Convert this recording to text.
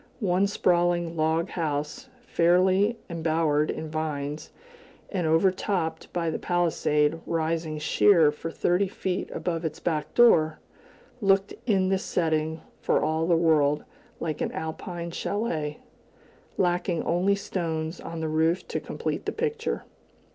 One sprawling log house, fairly embowered in vines, and overtopped by the palisade rising sheer for thirty feet above its back door, looked in this setting for all the world like an Alpine chalet, lacking only stones on the roof to complete the picture.